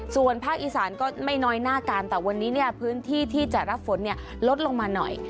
ส่วนภาคอีสานก็ไม่น้อยหน้ากันแต่วันนี้เนี่ยพื้นที่ที่จะรับฝนลดลงมาหน่อย